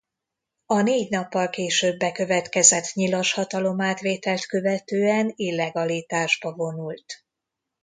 A négy nappal később bekövetkezett nyilas hatalomátvételt követően illegalitásba vonult.